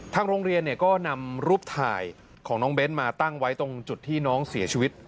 ทางโรงเรียนก็นำรูปถ่ายของน้องเบ้นมาตั้งไว้ตรงจุดที่น้องเสียชีวิต